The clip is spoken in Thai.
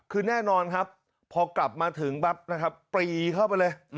คือแน่นอนครับพอกลับมาถึงปั๊บนะครับปรีเข้าไปเลย